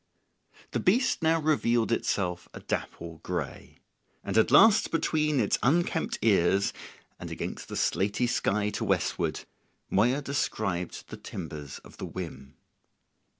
The beast now revealed itself a dapple grey; and at last between its unkempt ears, and against the slaty sky to westward, Moya described the timbers of the whim.